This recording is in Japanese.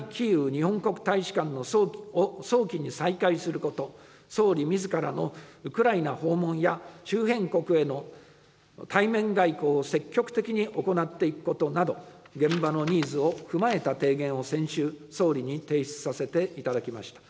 日本国大使館を早期に再開すること、総理みずからのウクライナ訪問や、周辺国への対面外交を積極的に行っていくことなど、現場のニーズを踏まえた提言を先週、総理に提出させていただきました。